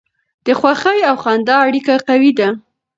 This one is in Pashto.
د خوښۍ او خندا اړیکه قوي ده.